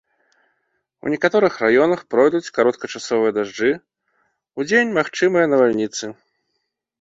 У некаторых раёнах пройдуць кароткачасовыя дажджы, удзень магчымыя навальніцы.